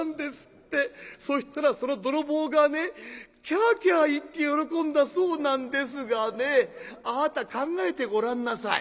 そしたらその泥棒がねキャーキャー言って喜んだそうなんですがねあなた考えてごらんなさい。